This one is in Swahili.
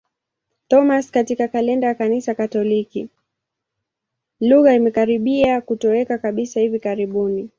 Lugha imekaribia kutoweka kabisa hivi karibuni.